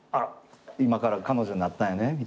「今から彼女になったんやね」みたいな。